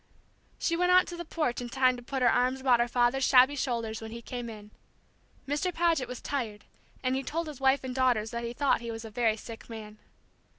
She went out on the porch in time to put her arms about her father's shabby shoulders when he came in. Mr. Paget was tired, and he told his wife and daughters that he thought he was a very sick man.